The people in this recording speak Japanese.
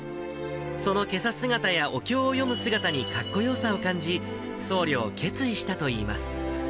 そのけさ姿やお経を読む姿にかっこよさを感じ、僧侶を決意したといいます。